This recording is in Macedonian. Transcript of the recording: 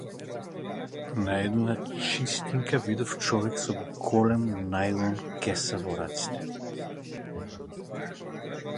На една чистинка, видов човек со голема најлон кеса во рацете.